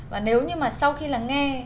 và nếu như mà sau khi là nghe